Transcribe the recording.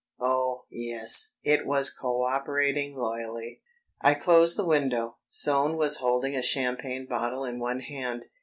Oh, yes, it was co operating loyally. I closed the window. Soane was holding a champagne bottle in one hand.